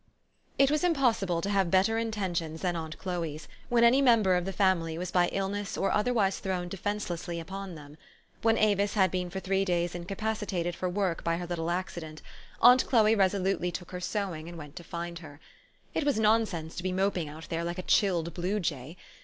It was impossible to have better intentions than aunt Chloe's, when any member of the family was by illness or otherwise thrown defencelessly upon them. When Avis had been for three days incapacitated for work by her little accident, aunt Chloe resolutely THE STORY OF AVIS. 173 took her sewing, and went to find her. It was non sense to be moping out there like a chilled blue jay.